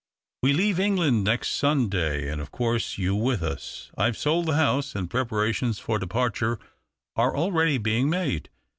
" We leave England next Sunday, and. of course, you with us. I have sold the house, and preparations for departure are already being made.